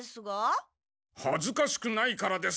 はずかしくないからです。